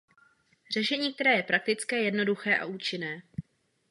Řešení, které je praktické, jednoduché a účinné.